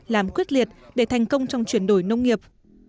làm quyết liệt để thành công trong chuyển đổi nông nghiệp